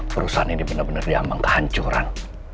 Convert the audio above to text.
perusahaan ini bener bener diambang kehancuran